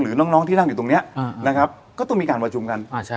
น้องที่นั่งอยู่ตรงนี้นะครับก็ต้องมีการประชุมกัน